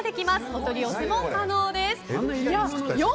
お取り寄せも可能です。